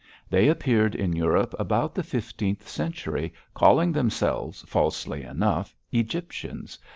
They appeared in Europe about the fifteenth century, calling themselves, falsely enough, Egyptians.